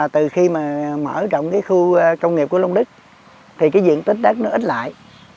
từ khi mà mở rộng cái khu công nghiệp của long đức thì cái diện tích đất nó ít lại